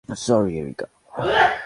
Sorry, areca.